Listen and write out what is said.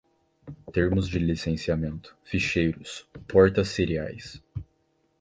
termos de licenciamento, ficheiros, portas seriais